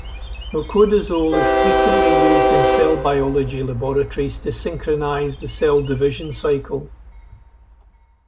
Nocodazole is frequently used in cell biology laboratories to synchronize the cell division cycle.